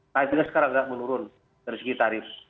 tarifnya sekarang agak menurun dari segi tarif